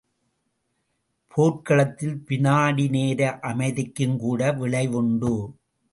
போர்க்களத்தில் விநாடிநேர அமைதிக்கும்கூட விளைவு உண்டு.